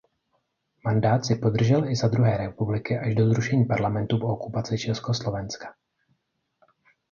Mandát si podržel i za druhé republiky až do zrušení parlamentu po okupaci Československa.